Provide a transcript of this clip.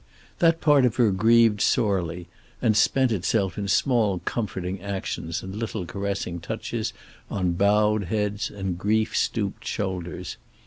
That part of her grieved sorely, and spent itself in small comforting actions and little caressing touches on bowed heads and grief stooped shoulders.